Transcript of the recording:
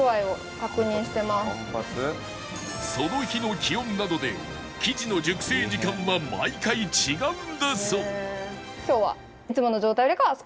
その日の気温などで生地の熟成時間は毎回違うんだそう